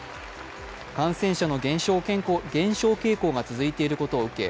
感染者の減少傾向が続いていることを受け